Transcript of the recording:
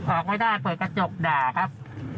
ออกไม่ได้เปิดกระจกด่าครับ